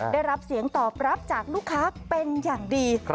ได้รับเสียงตอบรับจากลูกค้าเป็นอย่างดี